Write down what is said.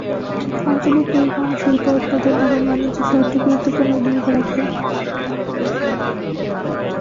আঞ্চলিক পরিবহন, শিল্প উৎপাদন এবং বাণিজ্যে শহরটি গুরুত্বপূর্ণ ভূমিকা রাখে।